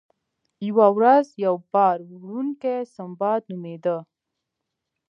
یوه ورځ یو بار وړونکی سنباد نومیده.